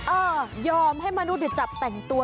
ยอมให้มนุษย์จับแต่งตัว